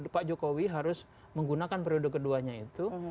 pak jokowi harus menggunakan periode keduanya itu